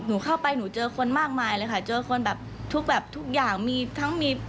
หนูเข้าไปหนูเจอคนมากมายเลยค่ะเจอคนแบบทุกแบบทุกอย่างมีทั้งมี